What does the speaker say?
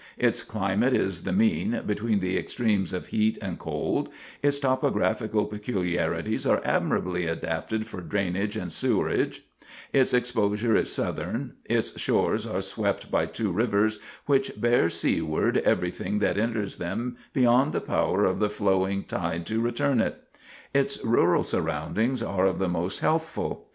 Its climate is the mean between the extremes of heat and cold; its topographical peculiarities are admirably adapted for drainage and sewerage; its exposure is southern; its shores are swept by two rivers, which bear seaward everything that enters them beyond the power of the flowing tide to return it; its rural surroundings are of the most healthful.